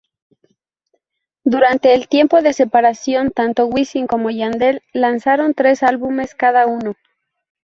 Durante el tiempo de separación, tanto Wisin como Yandel lanzaron tres álbumes cada uno.